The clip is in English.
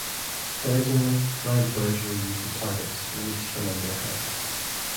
Originally, live birds were used as targets, released from under hats.